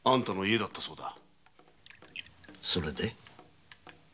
それで？